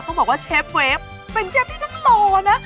เพราะบอกว่าเชฟเวฟเป็นเชฟที่ท่านหล่อนะ